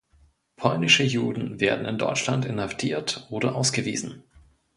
Polnische Juden werden in Deutschland inhaftiert oder ausgewiesen.